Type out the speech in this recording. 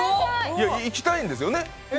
行きたいんですよね？